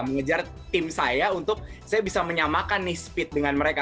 mengejar tim saya untuk saya bisa menyamakan nih speed dengan mereka